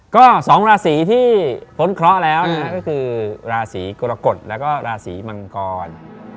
ก็๒ราศีที่พ้นเคราะห์แล้วนะก็คือราศีกรกฎแล้วก็ราศีมังกร